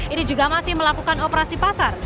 ini juga masih melakukan operasi pasar